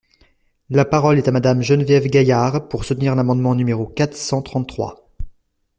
La parole est à Madame Geneviève Gaillard, pour soutenir l’amendement numéro quatre cent trente-trois.